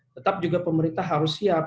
tetap juga pemerintah harus siap